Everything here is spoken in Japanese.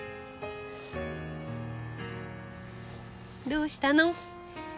どうしたの？